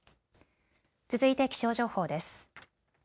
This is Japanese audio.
続いて気象情報です。